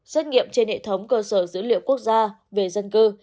xét nghiệm trên hệ thống cơ sở dữ liệu quốc gia về dân cư